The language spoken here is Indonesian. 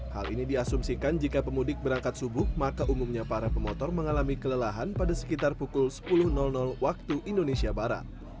hal ini diasumsikan jika pemudik berangkat subuh maka umumnya para pemotor mengalami kelelahan pada sekitar pukul sepuluh waktu indonesia barat